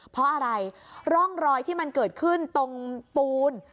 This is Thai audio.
เพราะอะไรร่องรอยที่มันเกิดขึ้นตรงปูน